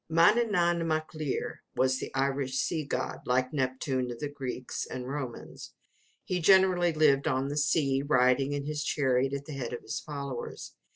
Mannanan Mac Lir was the Irish sea god, like Neptune of the Greeks and Romans. He generally lived on the sea, riding in his chariot at the head of his followers.